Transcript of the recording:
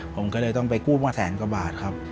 ผมก็เลยต้องไปกู้มาแสนกว่าบาทครับ